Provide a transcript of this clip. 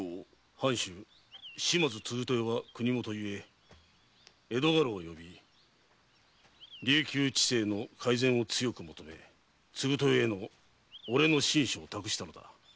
藩主・島津継豊が国許ゆえ江戸家老を呼び琉球治政の改善を強く求め継豊への俺の親書を託したのだ。